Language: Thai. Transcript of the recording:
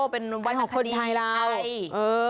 เป็นวันของคนไทยแล้วใช่อือ